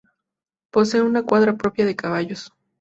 Posee una cuadra propia de caballos.